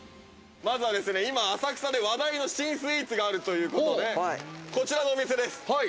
まずは今、浅草で話題の新スイーツがあるということで、こちらのお店です。